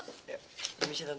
ya silahkan tante